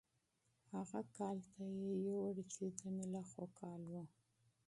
هغه کال ته یې یوړ چې د ملخو کال و.